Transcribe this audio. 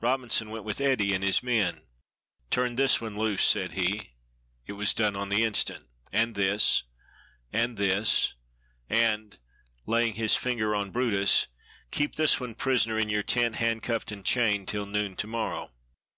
Robinson went with Ede and his men. "Turn this one loose," said he; it was done on the instant. "And this." "And this." "And" (laying his finger on brutus) "keep this one prisoner in your tent, handcuffed and chained, till noon to morrow."